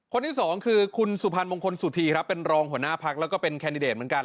คนที่สองคือคุณสุพรรณมงคลสุธีครับเป็นรองหัวหน้าพักแล้วก็เป็นแคนดิเดตเหมือนกัน